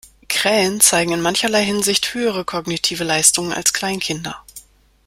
Krähen zeigen in mancherlei Hinsicht höhere kognitive Leistungen als Kleinkinder.